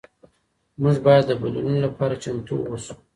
موږ باید د بدلونونو لپاره چمتو اوسو.